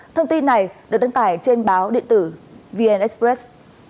thông tin này được đăng tải trên báo điện tử vn express